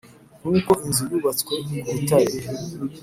Nk uko inzu yubatswe ku rutare